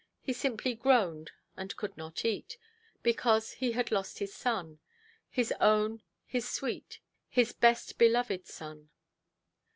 He simply groaned and could not eat, because he had lost his son—his own, his sweet, his best–beloved son.